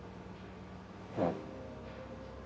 うん。